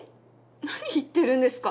何言ってるんですか？